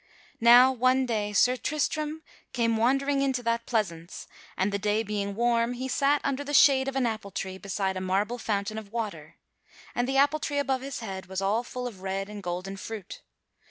Now one day Sir Tristram came wandering thus into that pleasance and, the day being warm, he sat under the shade of an appletree beside a marble fountain of water; and the appletree above his head was all full of red and golden fruit.